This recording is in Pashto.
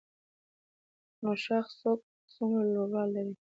نوشاخ څوکه څومره لوړوالی لري؟